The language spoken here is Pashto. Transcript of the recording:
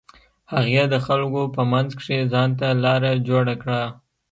هغې د خلکو په منځ کښې ځان ته لاره جوړه کړه.